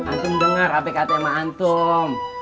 antum dengar apa kata emang antum